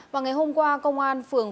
và ngày hôm qua công an phường